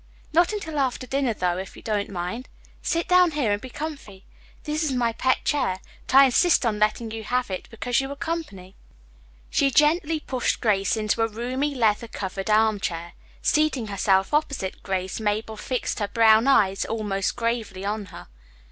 "Not until after dinner, though, if you don't mind. Sit down here and be comfy. This is my pet chair, but I insist on letting you have it because you are company." She gently pushed Grace into a roomy leather covered armchair. Seating herself opposite Grace, Mabel fixed her brown eyes almost gravely on her.